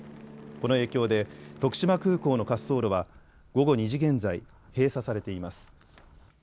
この影響で徳島空港の滑走路は午後２時現在、閉鎖されています。